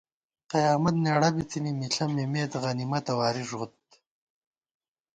قیامت نېڑہ بِتِنی ، مِݪہ مِمېت غنِمَتہ واری ݫوت